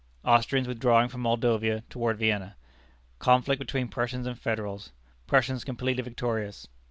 Austrians withdrawing from Moldavia toward Vienna." "Conflict between Prussians and Federals. Prussians completely victorious.